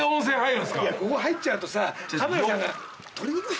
いやここ入っちゃうとさ。